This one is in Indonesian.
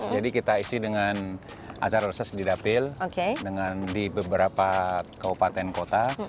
jadi kita isi dengan acara reses di dapil di beberapa kabupaten kota